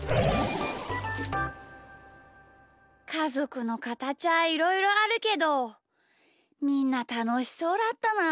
かぞくのかたちはいろいろあるけどみんなたのしそうだったなあ。